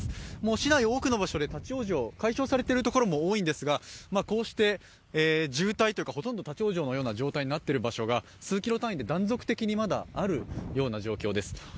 市内多くの場所で立往生解消されているところも多いんですがこうして渋滞というか、ほとんど立往生のようになっている場所が数ｋｍ単位で断続的にまだあるような状況です。